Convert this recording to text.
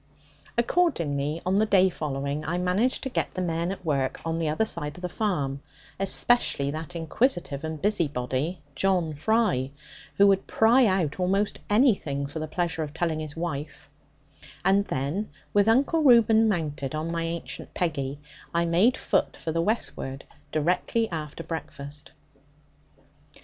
Accordingly, on the day following, I managed to set the men at work on the other side of the farm, especially that inquisitive and busybody John Fry, who would pry out almost anything for the pleasure of telling his wife; and then, with Uncle Reuben mounted on my ancient Peggy, I made foot for the westward, directly after breakfast.